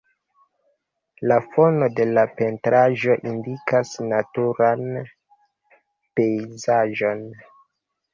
La fono de la pentraĵo indikas naturan pejzaĝon.